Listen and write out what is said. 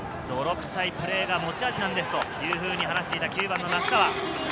泥くさいプレーが持ち味なんですというふうに話していた９番の名須川。